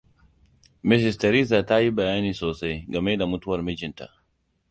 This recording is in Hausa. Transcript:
Mrs. Theresa ta yi bayani sosai game da mutuwar mijinta.